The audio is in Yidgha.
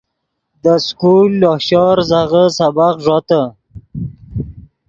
دے سکول لوہ شور ریزغے سبق ݱوتے